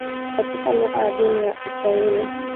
Katika lugha adhimu ya kiswahili